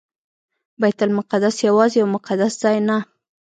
بیت المقدس یوازې یو مقدس ځای نه.